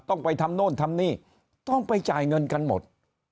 ต้องไปทำโน่นทำนี่ต้องไปจ่ายเงินกันหมด